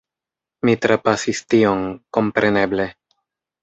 Mi trapasis tion, kompreneble.